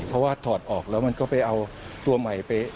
เพราะว่าถอดออกแล้วมันก็ไปเอาตัวใหม่ไป